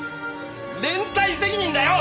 連帯責任だよ！